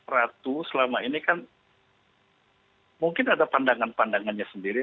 ratu selama ini kan mungkin ada pandangan pandangannya sendiri